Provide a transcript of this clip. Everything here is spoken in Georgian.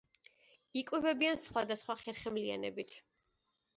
იკვებებიან სხვადასხვა ხერხემლიანებით.